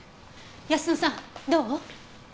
泰乃さんどう？